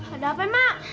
ada apa mak